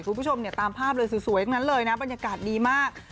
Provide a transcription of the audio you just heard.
คุณผู้ชมเนี่ยตามภาพเลยสวยทั้งนั้นเลยนะบรรยากาศดีมาก